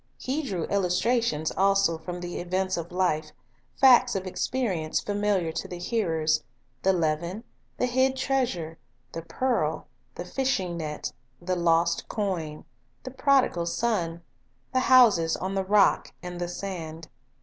He drew illustrations also from the events of life, facts of experience familiar to the hearers, — the leaven, the hid treasure, the pearl, the fishing net, the lost coin, the prodigal son, the houses on the rock and the sand.